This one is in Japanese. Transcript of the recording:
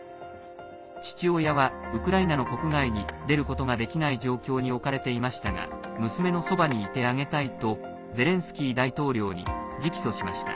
父親はウクライナの国外に出ることができない状況に置かれていましたが娘のそばにいてあげたいとゼレンスキー大統領に直訴しました。